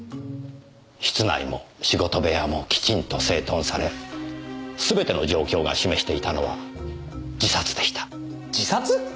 室内も仕事部屋もきちんと整頓され全ての状況が示していたのは自殺でした。